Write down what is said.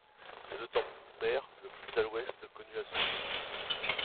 C'est le temple khmer le plus à l'ouest connu à ce jour.